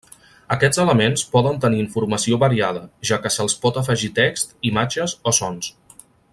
Aquests elements poden tenir informació variada, ja que se’ls pot afegir text, imatges o sons.